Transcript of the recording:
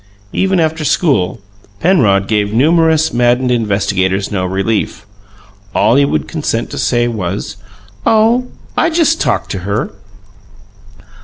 Even after school, Penrod gave numerous maddened investigators no relief. All he would consent to say was: "Oh, I just TALKED to her."